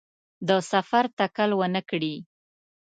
د سفر تکل ونکړي.